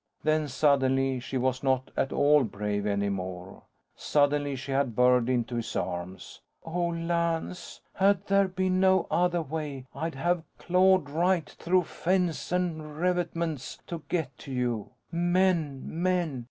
Then suddenly, she was not at all brave, anymore. Suddenly, she had burrowed into his arms. "Oh Lance, had there been no other way, I'd have clawed right through fence and revetments to get to you! Men, men!